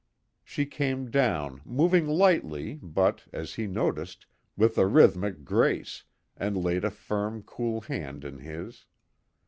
She came down, moving lightly but, as he noticed, with a rhythmic grace, and laid a firm, cool hand in his.